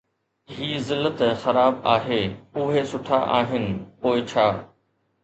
هي لذت خراب آهي، اهي سٺا آهن، پوءِ ڇا!